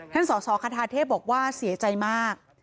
ท่านส่อขาธาเทพบอกว่าเสียใจมาก